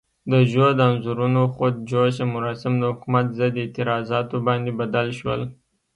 د ژو د انځورونو خود جوشه مراسم د حکومت ضد اعتراضاتو باندې بدل شول.